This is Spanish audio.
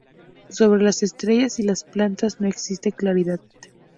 Sobre las estrellas y los planetas no existe claridad.